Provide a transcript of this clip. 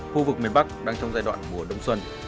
khu vực miền bắc đang trong giai đoạn mùa đông xuân